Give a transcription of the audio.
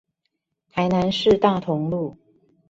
台南市大同路